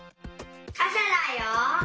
かさだよ！